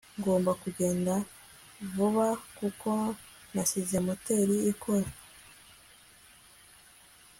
ngomba kugenda vuba kuko nasize moteri ikora